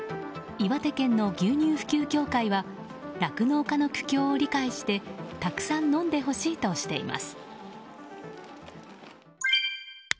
岩手県の牛乳普及協会は酪農家の苦境を理解してたくさん飲んでほしいとしています。